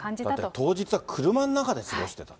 当日は車の中で過ごしてたと。